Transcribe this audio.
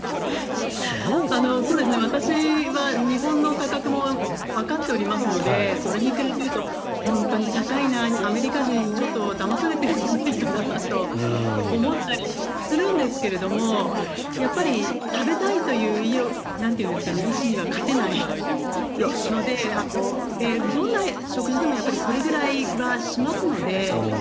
私は日本の価格もわかっておりますのでそれに比べると本当に高いなアメリカ人、ちょっとだまされているんじゃないかと思ったりもするんですけどもやっぱり食べたいという意思には勝てないのでどんな食事でもそれぐらいはしますので。